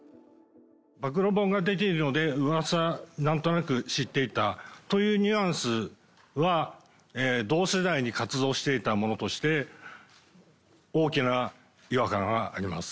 暴露本が出ているので、うわさ、なんとなく知っていたというニュアンスは、同世代に活動していた者として、大きな違和感はあります。